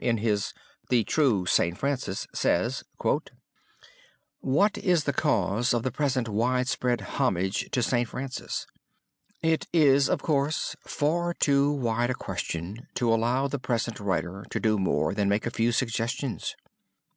in his "The True St. Francis" says: "What is the cause of the present widespread homage to St. Francis? It is, of course, far too wide a question to allow the present writer to do more than make a few suggestions.